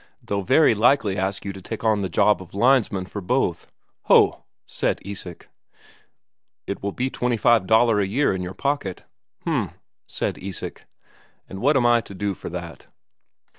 They'll very likely ask you to take on the job of linesman for both." "Ho!" said Isak. "It will be twenty five Daler a year in your pocket." "H'm," said Isak. "And what am I to do for that?"